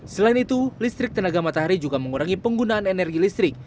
selain itu listrik tenaga matahari juga mengurangi penggunaan energi listrik